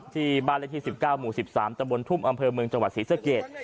ที่บ้านละที่๑๙หมู่๑๓ตทุ่มอมมจศรีษะเกียจ